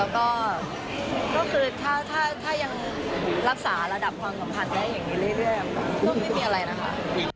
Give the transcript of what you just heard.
แล้วก็ก็คือถ้ายังรักษาระดับความสัมพันธ์ได้อย่างนี้เรื่อยก็ไม่มีอะไรนะคะ